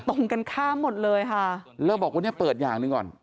ตรงกันข้ามหมดเลยค่ะแล้วบอกวันนี้เปิดอย่างหนึ่งก่อน